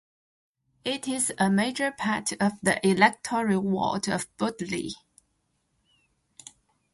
It is a major part of the electoral ward of Budleigh.